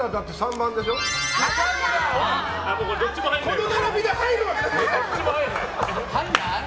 この並びで入るわけない！